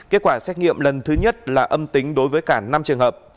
kết quả xét nghiệm lần thứ nhất là âm tính đối với cả năm trường hợp